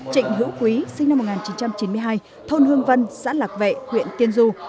trịnh hữu quý sinh năm một nghìn chín trăm chín mươi hai thôn hương vân xã lạc vệ huyện tiên du